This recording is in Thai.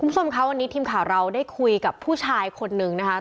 คุณผู้ชมคะวันนี้ทีมข่าวเราได้คุยกับผู้ชายคนนึงนะคะ